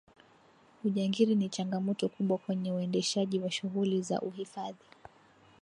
ujangiri ni changamoto kubwa kwenye uendeshaji wa shughuli za uhifadhi